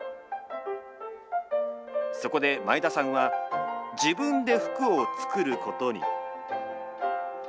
そこで前田さんは自分で服を作ることに。